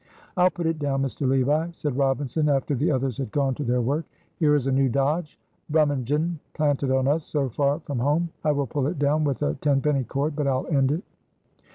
"I'll put it down, Mr. Levi," said Robinson, after the others had gone to their work; "here is a new dodge, Brummagem planted on us so far from home. I will pull it down with a tenpenny cord but I'll end it."